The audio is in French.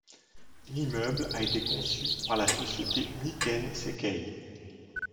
L'immeuble a été conçu par la société Nikken Sekkei.